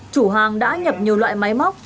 chủ hàng đã nhập nhiều loại máy móc